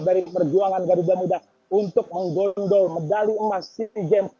dari perjuangan garuda muda untuk menggondol medali emas sea games